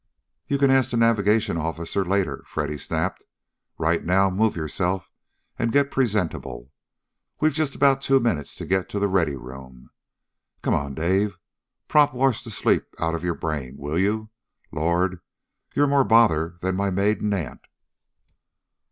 "You can ask the navigation officer, later!" Freddy snapped. "Right now, move yourself, and get presentable. We've just about two minutes to get to the Ready Room. Come on, Dave! Prop wash the sleep out of your brain, will you? Lord! You're more bother than my maiden aunt!"